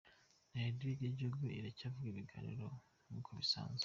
Radio y'igihugu iracyavuga ibiganiro nkuko bisanzwe.